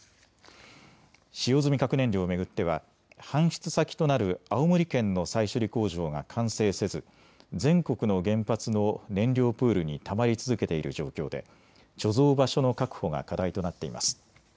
使用済み核燃料を巡っては搬出先となる青森県の再処理工場が完成せず全国の原発の燃料プールにたまり続けている状況で貯蔵場所の確保が課題となっています。